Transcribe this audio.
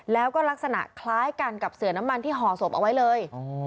แล้วก็ลักษณะคล้ายกันกับเสือน้ำมันที่ห่อศพเอาไว้เลย